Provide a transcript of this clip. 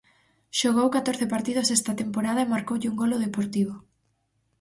Xogou catorce partidos esta temporada e marcoulle un gol ao Deportivo.